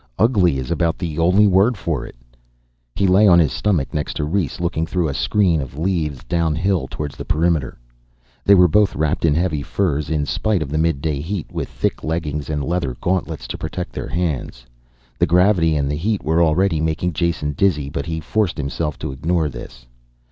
Ugly is about the only word for it." He lay on his stomach next to Rhes, looking through a screen of leaves, downhill towards the perimeter. They were both wrapped in heavy furs, in spite of the midday heat, with thick leggings and leather gauntlets to protect their hands. The gravity and the heat were already making Jason dizzy, but he forced himself to ignore this.